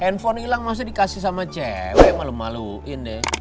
handphone hilang maksudnya dikasih sama cewek malu maluin deh